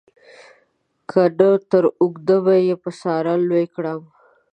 که نه تر اوږده به دې په ساره لوی کړم.